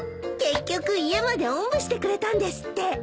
結局家までおんぶしてくれたんですって。